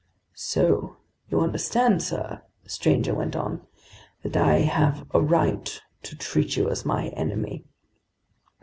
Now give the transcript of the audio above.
"So you understand, sir," the stranger went on, "that I have a right to treat you as my enemy."